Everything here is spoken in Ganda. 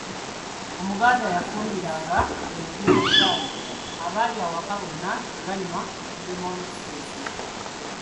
Omuganda yafumbiranga enje mu Chai abali awaka bonna ne banywa okugema olukusense.